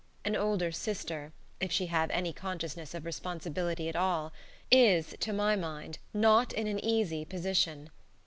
An older sister, if she have any consciousness of responsibility at all, is, to my mind, not in an easy position.